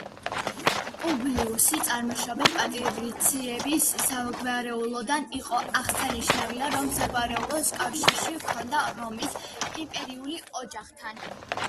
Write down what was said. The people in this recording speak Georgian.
პუბლიუსი წარმოშობით პატრიციების საგვარეულოდან იყო, აღსანიშნავია, რომ საგვარეულოს კავშირში ჰქონდა რომის იმპერიულ ოჯახთან.